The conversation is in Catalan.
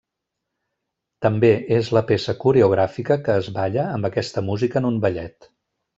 També és la peça coreogràfica que es balla amb aquesta música en un ballet.